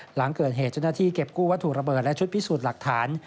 หลังเกิดเหตุเจ้าหน้าที่เก็บกู้วัตถุระเบิดและชุดพิสูจน์หลักฐาน